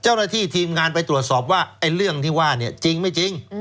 เจ้าหน้าที่ทีมงานไปตรวจสอบว่าไอ้เรื่องที่ว่าเนี่ยจริงไม่จริง